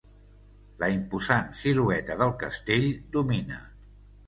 La imposant silueta del castell domina.